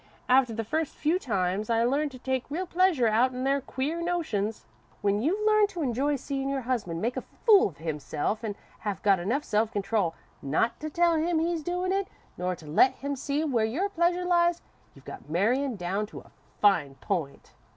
After the first few times, I learned to take real pleasure out'n their queer notions. When you've learned to enjoy seein' your husband make a fool of himself an' have got enough self control not to tell him he's doin' it, nor to let him see where your pleasure lies, you've got marryin' down to a fine point.